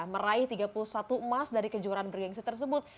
meraih tiga puluh satu emas dari kejuaraan bergensi tersebut